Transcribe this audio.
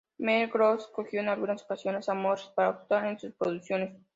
Mel Brooks escogió en algunas ocasiones a Morris para actuar en sus producciones.